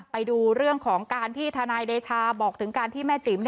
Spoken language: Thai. ไปดูเรื่องของการที่ทนายเดชาบอกถึงการที่แม่จิ๋ม